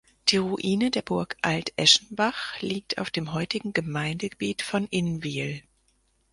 Die Ruine der Burg Alt-Eschenbach liegt auf dem heutigen Gemeindegebiet von Inwil.